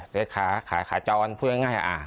เศรษฐ์ขายขาจรพูดง่าย